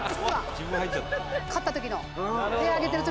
自分入っちゃった。